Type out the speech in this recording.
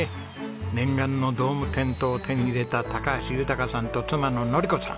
念願のドームテントを手に入れた高橋豊さんと妻の典子さん。